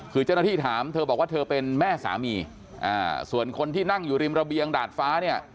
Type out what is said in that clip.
คือเจ้าหน้าที่ถามเธอบอกว่าเธอเป็นแม่สามีส่วนคนที่นั่งอยู่ริมระเบียงดาดฟ้าเนี่ย